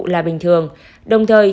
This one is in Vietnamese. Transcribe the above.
là bình thường đồng thời